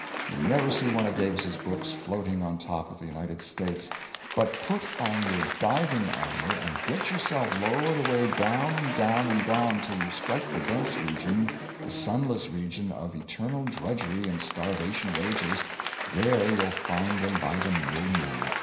You never see one of Davis's books floating on top of the United States, but put on your diving armor and get yourself lowered away down and down and down till you strike the dense region, the sunless region of eternal drudgery and starvation wages there you'll find them by the million.